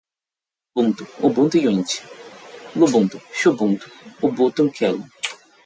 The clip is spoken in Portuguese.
kubuntu, ubuntu unity, lubuntu, xubuntu, ubuntu kylin